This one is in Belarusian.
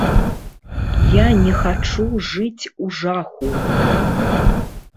Я не хачу жыць у жаху.